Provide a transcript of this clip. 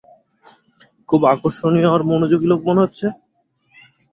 খুব আকর্ষণীয় আর মনযোগী লোক মনে হচ্ছে।